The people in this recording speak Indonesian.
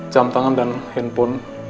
jam tangan dan handphone